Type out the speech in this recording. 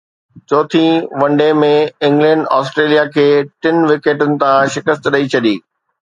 چوٿين one day ۾ England Australia کي ٽن وڪيٽن تان شڪست ڏئي ڇڏي